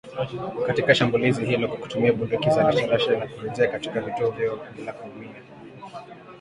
Katika shambulizi hilo kwa kutumia bunduki za rasharasha na kurejea katika vituo vyao bila kuumia